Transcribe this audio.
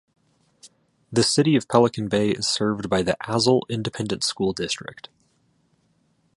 The City of Pelican Bay is served by the Azle Independent School District.